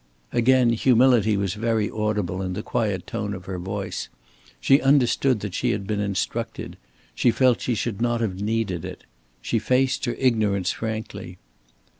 Again humility was very audible in the quiet tone of her voice. She understood that she had been instructed. She felt she should not have needed it. She faced her ignorance frankly.